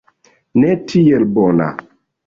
Ne tiel bona.